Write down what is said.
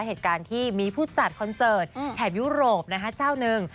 เหตุการณ์ที่มีผู้จัดคอนเสิร์ตแถบยุโรปนะคะเจ้าหนึ่ง